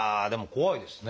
怖いですね。